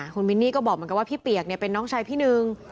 คุณมินนี่ก็บอกเหมือนกันว่าพี่เปียกเป็นน้องชายพี่หนึ่ง